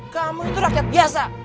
kamu itu rakyat biasa